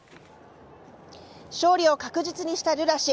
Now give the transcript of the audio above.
勝利を確実にしたルラ氏。